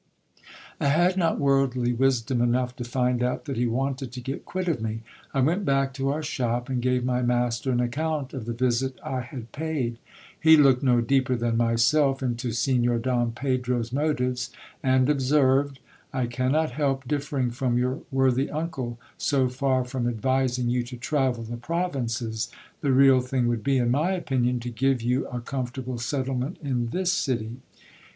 I had not worldly wisdom enough to find out that he wanted to get quit of me. I went back to our shop, and gave my master an account of the visit I had paid. He looked no deeper than myself into Signor Don Pedro's motives, and ob served : I cannot help differing from your worthy uncle, so far from advising you to travel the provinces, the real thing would be, in my opinion, to give you a comfortable settlement in this city.